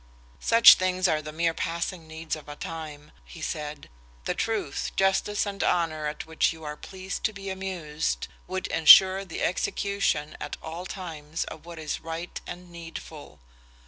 "Such things are the mere passing needs of a time," he said. "The truth, justice, and honor, at which you are pleased to be amused, would insure the execution at all times of what is right and needful.